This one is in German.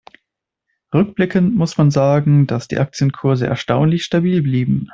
Rückblickend muss man sagen, dass die Aktienkurse erstaunlich stabil blieben.